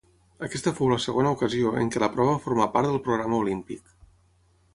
Aquesta fou la segona ocasió en què la prova formà part del programa Olímpic.